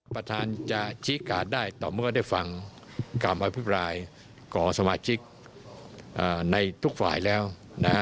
ประธานจะชี้การได้ต่อเมื่อได้ฟังคำอภิปรายของสมาชิกในทุกฝ่ายแล้วนะฮะ